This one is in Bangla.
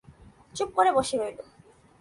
চুপ করে বসে রইল।